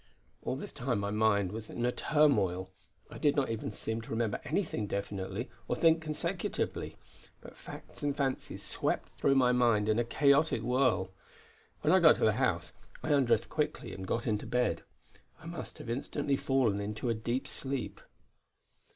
All this time my mind was in a turmoil. I did not even seem to remember anything definitely, or think consecutively; but facts and fancies swept through my mind in a chaotic whirl. When I got to the house, I undressed quickly and got into bed; I must have instantly fallen into a deep sleep.